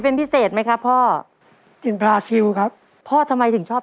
เป็นพิเศษไหมครับพ่อถึงบราซิลครับพ่อทำไมถึงชอบ